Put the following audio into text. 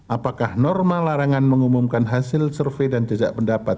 apakah norma larangan mengumumkan hasil survei dan jejak pendapat